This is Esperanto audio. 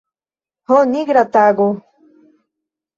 Ho, nigra tago!